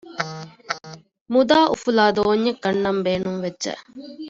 މުދާ އުފުލާ ދޯންޏެއް ގަންނަން ބޭނުންވެއްޖެ